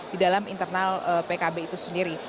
di dalam internal pkb itu sendiri